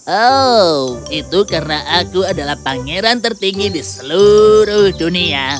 oh itu karena aku adalah pangeran tertinggi di seluruh dunia